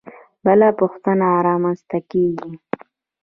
بله پوښتنه رامنځته کېږي.